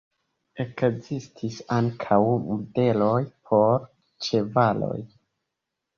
Ekzistis ankaŭ modeloj por ĉevaloj.